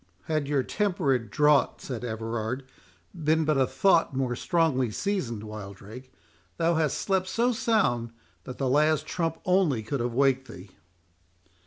"Had your temperate draught," said Everard, "been but a thought more strongly seasoned, Wildrake, thou hadst slept so sound that the last trump only could have waked thee."